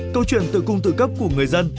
câu chuyện tự cung tự cấp của người dân